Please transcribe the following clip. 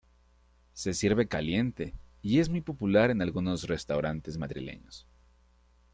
Se sirve caliente y es muy popular en algunos restaurantes madrileños.